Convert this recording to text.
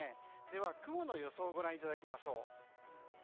では、雲の予想をご覧いただきましょう。